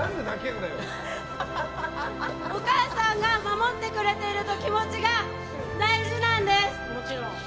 お母さんが守ってくれているという気持ちが大事なんです。